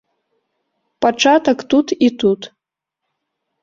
Пачатак тут і тут.